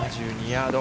７２ヤード。